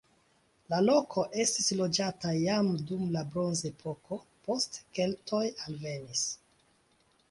La loko estis loĝata jam dum la bronzepoko, poste keltoj alvenis.